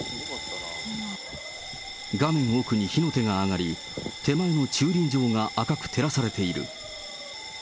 画面の奥に火の手が上がり、手前の駐輪場が赤く照らされている。